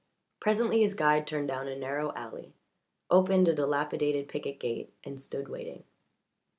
Presently his guide turned down a narrow alley, opened a dilapidated picket gate, and stood waiting.